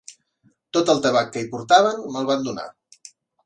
Tot el tabac que hi portaven, me'l van donar